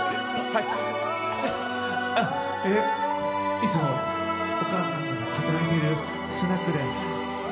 いつもお母さんが働いているスナックでＢ